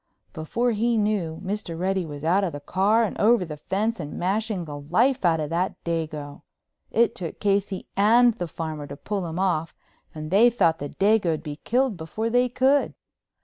Before he knew, Mr. Reddy was out of the car and over the fence and mashing the life out of that dago. It took Casey and the farmer to pull him off and they thought the dago'd be killed before they could.